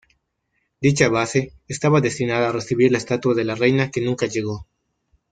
Dicha base estaba destinada a recibir la estatua de la Reina que nunca llegó.